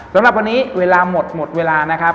สำหรับวันนี้เวลาหมดหมดเวลานะครับ